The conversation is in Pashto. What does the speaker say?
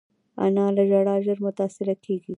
انا له ژړا ژر متاثره کېږي